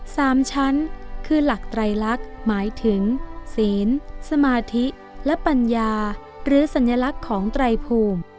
สามชั้นคือหลักไตรลักษณ์หมายถึงศีลสมาธิและปัญญาหรือสัญลักษณ์ของไตรภูมิ